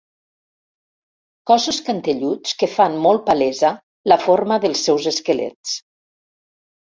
Cossos cantelluts que fan molt palesa la forma dels seus esquelets.